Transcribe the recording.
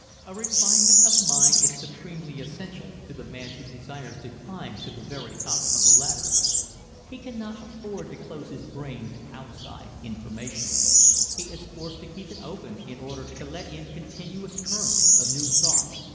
A refinement of mind is supremely essential to the man who desires to climb to the very top of the ladder. He cannot afford to close his brain to outside information. He is forced to keep it open in order to let in continuous currents of new thought.